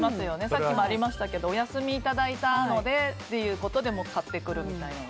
さっきもありましたけどお休みいただいたのでということで買ってくるみたいな。